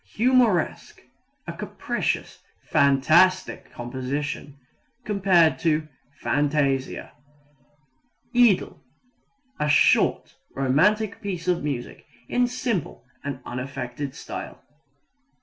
Humoresque a capricious, fantastic composition. (Cf. fantasia.) Idyl a short, romantic piece of music in simple and unaffected style.